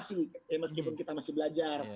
bikin animasi meskipun kita masih belajar